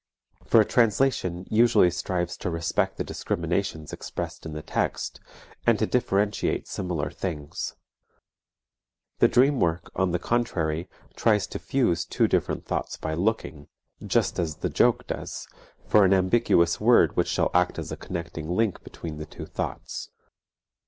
For a translation usually strives to respect the discriminations expressed in the text, and to differentiate similar things. The dream work, on the contrary, tries to fuse two different thoughts by looking, just as the joke does, for an ambiguous word which shall act as a connecting link between the two thoughts.